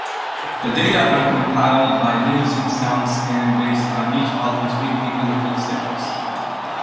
The data are compiled by Nielsen Soundscan based on each album's weekly physical sales.